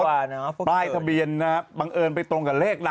น่ากลัวเนอะพวกเธอปลายทะเบียนนะฮะบังเอิญไปตรงกับเลข